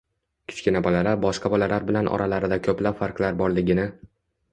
Kichkina bolalar boshqa bolalar bilan oralarida ko‘plab farqlar borligini